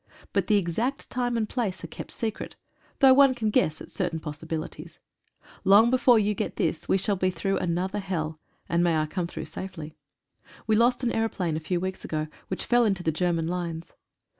But the exact time and place are kept secret, though one can guess at certain possibilities. Long before you get this we shall be through another hell, and may I come through safely. We lost an aeroplane a few weeks ago, which fell into the German lines.